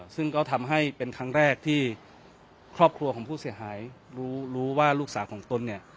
ซึ่งก็ทำให้เป็นครั้งแรกที่ครอบครัวของผู้เสียหายรู้รู้ว่าลูกสาวของตนเนี่ย